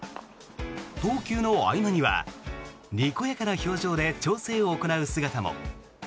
投球の合間にはにこやかな表情で調整を行う姿も。